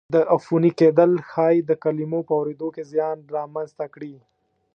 دا عفوني کېدل ښایي د کلمو په اورېدو کې زیان را منځته کړي.